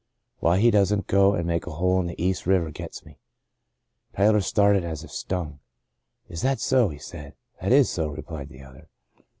Why he doesn't go and make a hole in the East River gets me." Tyler started as if stung. " Is that so ?" he said. " That is so," replied the other.